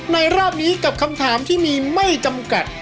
รอบนี้กับคำถามที่มีไม่จำกัด